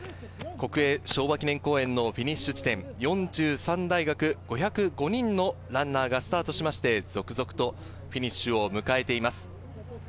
国営昭和記念公園のフィニッシュ地点、４３大学、５０５人のランナーがスタートしまして、続々とフィニッシュを迎えています。